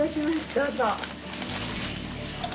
どうぞ。